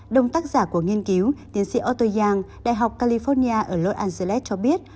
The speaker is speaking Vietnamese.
đồng tác giả của nghiên cứu tiến sĩ otto yang đại học california ở los angeles cho biết